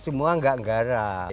semua gak nggarang